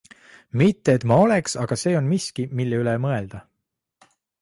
Mitte et ma oleks, aga see on miski, mille üle mõelda.